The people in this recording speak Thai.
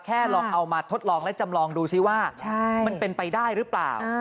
ลองเอามาทดลองและจำลองดูซิว่ามันเป็นไปได้หรือเปล่า